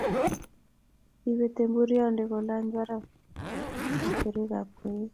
ibei temburionde kolany barak kwerekab koik